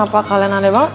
kenapa kalian ada banget